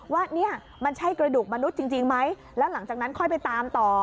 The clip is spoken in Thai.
ว่าเนี่ยมันใช่กระดูกมนุษย์จริงไหมแล้วหลังจากนั้นค่อยไปตามต่อ